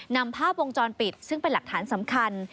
นำภาพวงจรปิดซึ่งเป็นหลักฐานสำคัญ